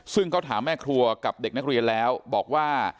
ซึ่งเขาถามแม่ครัวกับเด็กนักเรียนแล้วบอกว่า